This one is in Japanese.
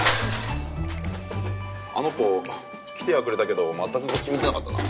あの子来てはくれたけど全くこっち見てなかったな。